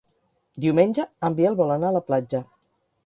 Diumenge en Biel vol anar a la platja.